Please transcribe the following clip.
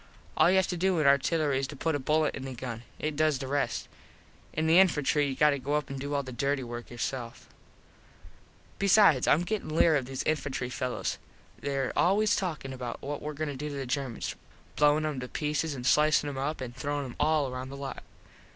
All you have to do in artillery is to put a bullet in the gun. It does the rest. In the infantry you got to go up and do all the dirty work yourself. [Illustration: "THEY COME ROUND AND WATCH YOU EAT IT."] Besides Im gettin leery of these infantry fellos. There always talking about what were goin to do to the Germans, blowin em to pieces and slicin em up an throwin em all around the lot.